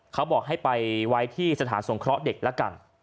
เขาบอกให้ไปไว้ที่สถานสงเคราะห์เด็กละกัน